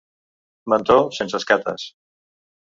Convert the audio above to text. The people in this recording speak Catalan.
Mentó sense escates.